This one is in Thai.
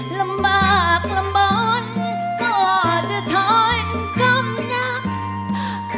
ลำบากลำบลก็จะท้อนกำนัก